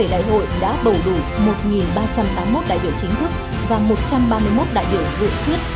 sáu mươi bảy đại hội đã bầu đủ một ba trăm tám mươi một đại biểu chính thức và một trăm ba mươi một đại biểu dự quyết